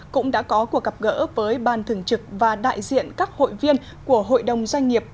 cũng đã có cuộc gặp gỡ với ban thường trực và đại diện các hội viên của hội đồng doanh nghiệp